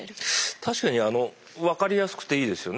確かに分かりやすくていいですよね。